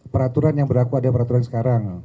peraturan yang berlaku ada peraturan sekarang